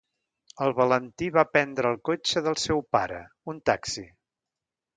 El Valentí va prendre el cotxe del seu pare, un taxi.